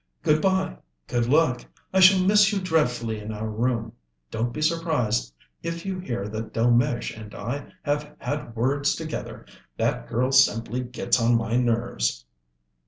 "Good bye, good luck. I shall miss you dreadfully in our room. Don't be surprised if you hear that Delmege and I have had words together; that girl simply gets on my nerves."